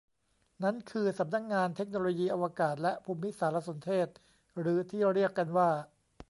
นั้นคือสำนักงานเทคโนโลยีอวกาศและภูมิสารสนเทศหรือที่เรียกกันว่า